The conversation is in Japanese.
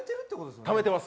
ためてます。